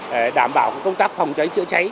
để đảm bảo công tác phòng cháy chữa cháy